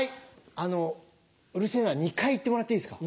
あの「うるせぇな」２回言ってもらっていいですか。